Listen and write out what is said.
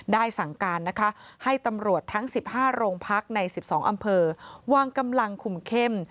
สั่งการนะคะให้ตำรวจทั้ง๑๕โรงพักใน๑๒อำเภอวางกำลังคุมเข้ม